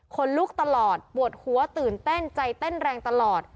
คนลุกตลอดปวดหัวตื่นเต้นใจเต้นแรงตลอด